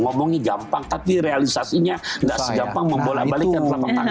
lebih gampang membalikkan ke dalam tangan